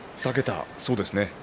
そうですね。